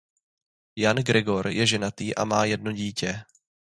Jan Gregor je ženatý a má jedno dítě.